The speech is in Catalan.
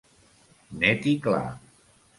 Net i clar.